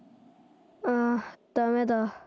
ああダメだ。